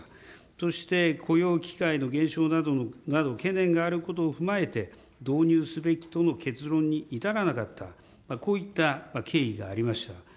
そして雇用機会の減少など、懸念があることを踏まえて、導入すべきとの結論に至らなかった、こういった経緯がありました。